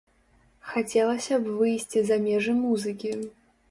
Хацелася б выйсці за межы музыкі?